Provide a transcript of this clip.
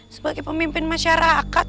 sebagai pemimpin masyarakat